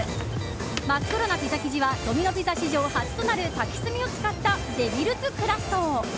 真っ黒なピザ生地はドミノ・ピザ史上初となる竹炭を使った、デビルズクラスト。